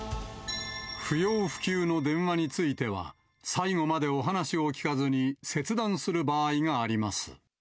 不要不急の電話については、最後までお話を聞かずに、切断する場合があります。